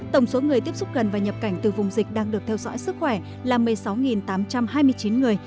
tổng số người tiếp xúc gần và nhập cảnh từ vùng dịch đang được theo dõi sức khỏe là một mươi sáu tám trăm hai mươi chín người